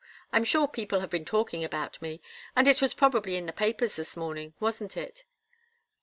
I'm sure people have been talking about me, and it was probably in the papers this morning. Wasn't it?"